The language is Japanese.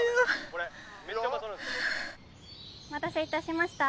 お待たせいたしました。